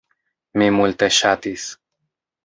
Mi multe ŝatis.